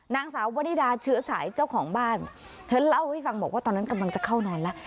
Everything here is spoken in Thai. นางสาววนิดาเชื้อสายเจ้าของบ้านเธอเล่าให้ฟังบอกว่าตอนนั้นกำลังจะเข้านานแล้ว